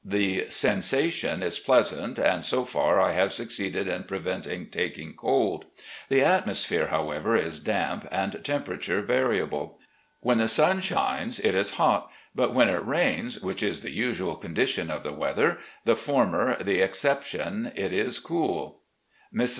The sensation is pleasant, and so far I have succeeded in preventing taking cold. The atmos phere, however, is damp, and temperature variable. When the stm shines, it is hot ; but when it rains, which is the usual condition of the weather, the former the excep tion, it is cool. Mrs.